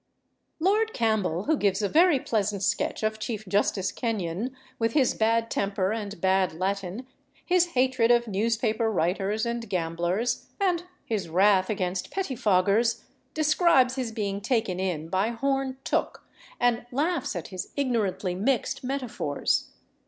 Lord Campbell, who gives a very pleasant sketch of Chief Justice Kenyon, with his bad temper and bad Latin, his hatred of newspaper writers and gamblers, and his wrath against pettifoggers, describes his being taken in by Horne Tooke, and laughs at his ignorantly mixed metaphors.